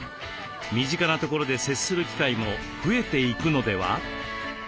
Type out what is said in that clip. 身近なところで接する機会も増えていくのでは？